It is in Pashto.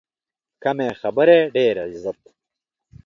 کمې خبرې، ډېر عزت.